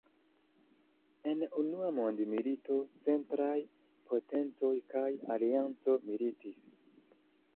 En Unua Mondmilito, Centraj Potencoj kaj Alianco militis.